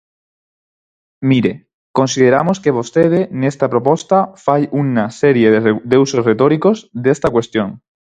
Mire, consideramos que vostede nesta proposta fai unha serie de usos retóricos desta cuestión.